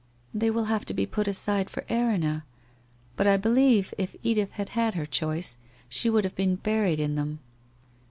' They will have to be put aside for Erinna. But, I believe, if Edith had had her choice, she would have been buried in them.'